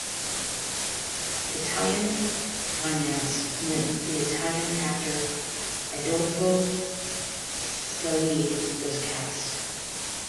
Italian finance meant the Italian actor Adolfo Celi was cast.